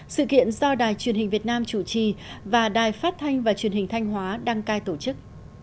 sự kiện do đài truyền hình việt nam chủ trì và đài phát thanh và truyền hình thanh hóa đăng cai tổ chức